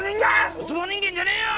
ウツボ人間じゃねえよ！